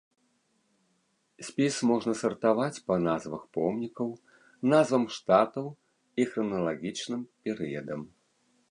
Спіс можна сартаваць па назвах помнікаў, назвам штатаў і храналагічным перыядам.